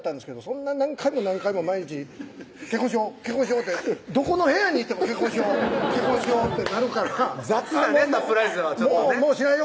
そんな何回も何回も毎日「結婚しよう」「結婚しよう」ってどこの部屋に行っても「結婚しよう」ってなるから雑なねサプライズはちょっとね「しないよ」